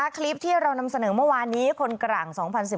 คลิปที่เรานำเสนอเมื่อวานนี้คนกลาง๒๐๑๘